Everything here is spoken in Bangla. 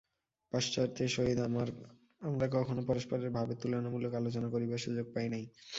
পাশ্চাত্যের সহিত আমরা কখনও পরস্পরের ভাবের তুলনামূলক আলোচনা করিবার সুযোগ পাই নাই।